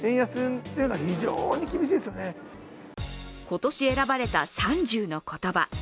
今年選ばれた３０の言葉。